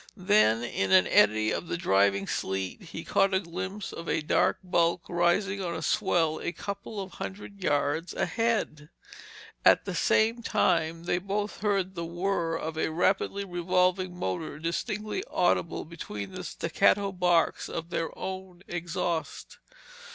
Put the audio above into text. Then in an eddy of the driving sleet he caught a glimpse of a dark bulk rising on a swell a couple of hundred yards ahead. At the same time they both heard the whir of a rapidly revolving motor distinctly audible between the staccato barks of their own exhaust.